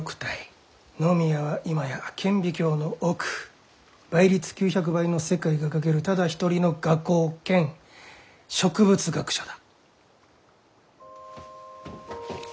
野宮は今や顕微鏡の奥倍率９００倍の世界が描けるただ一人の画工兼植物学者だ。